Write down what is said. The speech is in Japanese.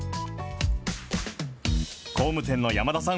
工務店の山田さん